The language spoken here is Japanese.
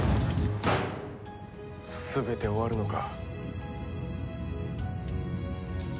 全て終わるのか。